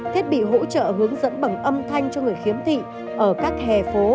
thiết bị hỗ trợ hướng dẫn bằng âm thanh cho người khiếm thị ở các hè phố